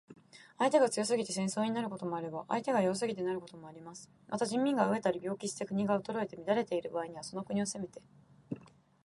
相手が強すぎて戦争になることもあれば、相手が弱すぎてなることもあります。また、人民が餓えたり病気して国が衰えて乱れている場合には、その国を攻めて